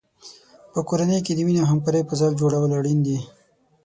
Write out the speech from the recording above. په کورنۍ کې د مینې او همکارۍ فضا جوړول اړین دي.